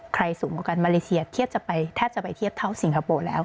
สูงกว่ากันมาเลเซียแทบจะไปเทียบเท่าสิงคโปร์แล้ว